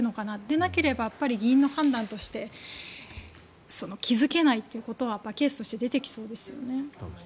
でなければ、議員の判断として気付けないということはケースとして出てきそうですよね。